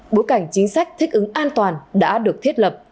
bối cảnh chính sách thích ứng an toàn đã được thiết lập